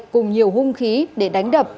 cùng nhiều hung khí để đánh đập